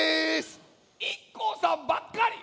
ＩＫＫＯさんばっかり。